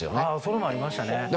ああそれもありましたね。